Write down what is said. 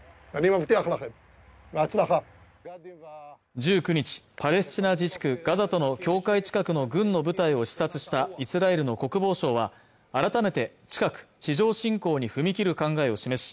１９日パレスチナ自治区ガザとの境界近くの軍の部隊を視察したイスラエルの国防相は改めて近く地上侵攻に踏み切る考えを示し